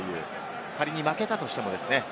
仮に負けたとしてもですね。